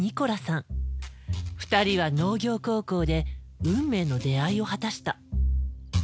２人は農業高校で運命の出会いを果たした。